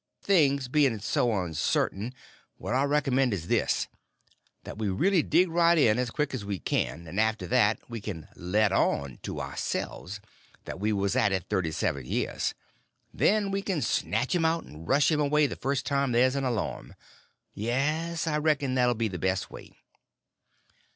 Things being so uncertain, what I recommend is this: that we really dig right in, as quick as we can; and after that, we can let on, to ourselves, that we was at it thirty seven years. Then we can snatch him out and rush him away the first time there's an alarm. Yes, I reckon that 'll be the best way."